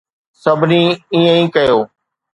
سڀني ائين ئي ڪيو.